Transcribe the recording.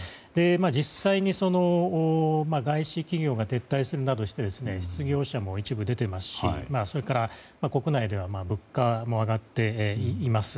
実際に外資企業が撤退するなどして失業者も一部で出ていますし国内では物価も上がっています。